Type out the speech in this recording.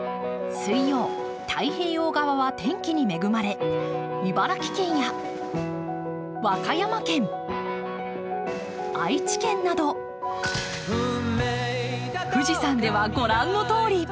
水曜、太平洋側は天気に恵まれ、茨城県や和歌山県、愛知県など富士山では、ご覧のとおり。